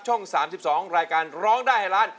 ช่อง๓๒รายการร้องได้ให้ล้าน